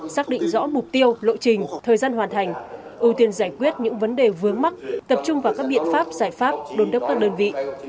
xác định rõ mục tiêu lộ trình thời gian hoàn thành ưu tiên giải quyết những vấn đề vướng mắt tập trung vào các biện pháp giải pháp đôn đốc các đơn vị